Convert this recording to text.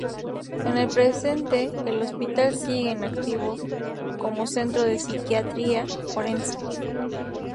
En el presente el hospital sigue en activo como Centro de Psiquiatría Forense.